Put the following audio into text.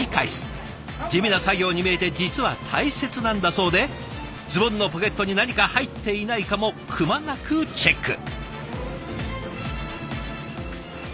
地味な作業に見えて実は大切なんだそうでズボンのポケットに何か入っていないかもくまなくチェック！